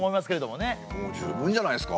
もう十分じゃないですか？